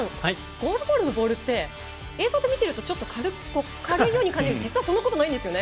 ゴールボールのボールって映像で見てると軽いように感じるんですけど実はそんなことないんですよね。